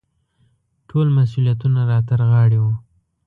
ټول مسوولیتونه را ترغاړې وو.